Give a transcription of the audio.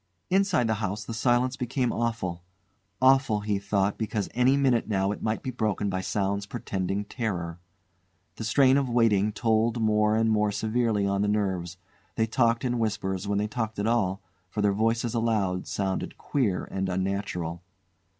Inside the house the silence became awful; awful, he thought, because any minute now it might be broken by sounds portending terror. The strain of waiting told more and more severely on the nerves; they talked in whispers when they talked at all, for their voices aloud sounded queer and unnatural.